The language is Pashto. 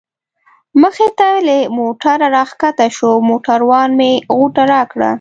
مخې ته یې له موټره را کښته شوم، موټروان مې غوټه راکړه.